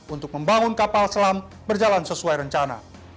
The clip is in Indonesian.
untuk membangun kapal selam berjalan sesuai rencana